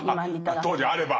当時あれば。